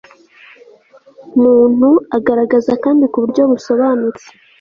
muntu agaragaza kandi ku buryo busobanutse